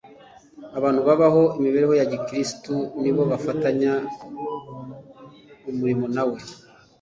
abantu babaho imibereho ya kristo ni bo bonyine bafatanya umurimo na we